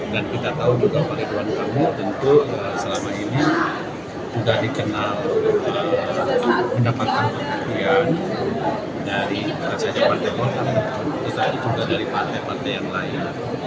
dan kita tahu juga pak ridwan kamu tentu selama ini sudah dikenal mendapatkan pengertian dari partai partai yang lain